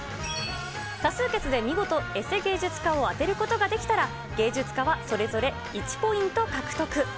多数決で見事、エセ芸術家を当てることができたら、芸術家はそれぞれ１ポイント獲得。